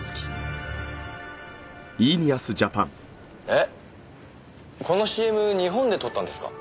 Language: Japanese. えっこのＣＭ日本で撮ったんですか？